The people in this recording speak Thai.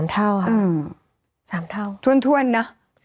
๓เท่าอะ๓เท่าท้วนนะ